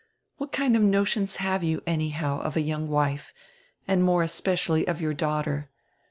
What kind of notions have you, anyhow, of a young wife, and more especially of your daughter?